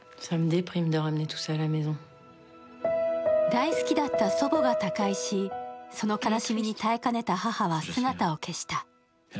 大好きだった祖母が他界し、その悲しみに耐えかねた母は、姿を消した。